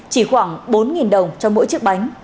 chỉ khoảng bốn đồng cho mỗi chiếc bánh